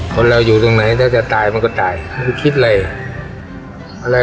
คนเราอยู่ตรงไหนแล้วจะตายมันก็ตายไม่ได้คิดอะไร